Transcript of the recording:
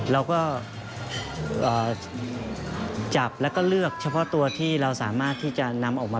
เราก็จับแล้วก็เลือกเฉพาะตัวที่เราสามารถที่จะนำออกมา